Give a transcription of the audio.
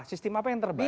sistem apa yang terbaik